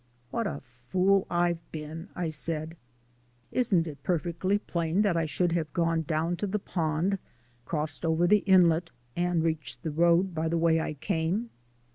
"What a fool I've been!" I said. "Isn't it perfectly plain that I should have gone down to the pond, crossed over the inlet, and reached the road by the way I came?"